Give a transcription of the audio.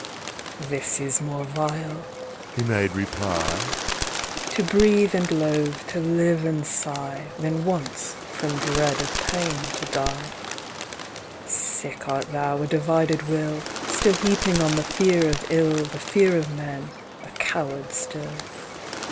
"This is more vile," he made reply, "To breathe and loathe, to live and sigh, Than once from dread of pain to die. "Sick art thou—a divided will Still heaping on the fear of ill The fear of men, a coward still.